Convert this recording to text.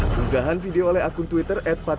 tunggahan video oleh akun twitter